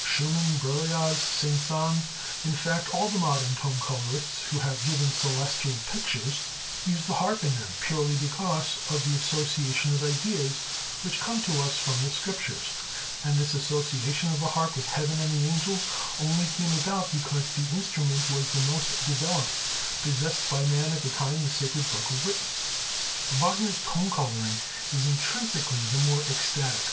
Schumann, Berlioz, Saint Saens, in fact all the modern tone colorists who have given celestial pictures, use the harp in them, purely because of the association of ideas which come to us from the Scriptures, and this association of the harp with heaven and the angels, only came about because the instrument was the most developed possessed by man at the time the sacred book was written. Wagner's tone coloring is intrinsically the more ecstatic....